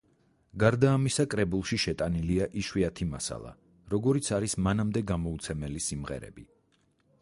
გარდა ამისა, კრებულში შეტანილია იშვიათი მასალა, როგორიც არის მანამდე გამოუცემელი სიმღერები.